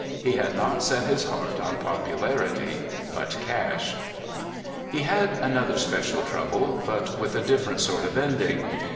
He had not set his heart on popu larity, but cash. He had another special trouble, but with a dif ferent sort of ending.